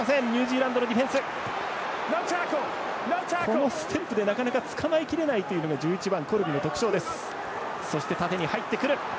このステップでなかなか捕まえきれないというのが１１番、コルビの特徴です。